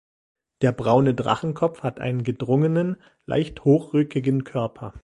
Der Braune Drachenkopf hat einen gedrungenen, leicht hochrückigen Körper.